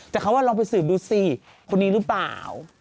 แต่เขาว่าลองไปสืบดูสิคนนี้หรือเปล่า